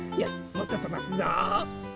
もっととばすぞ。